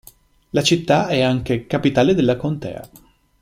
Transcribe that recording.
La città è anche capitale della Contea.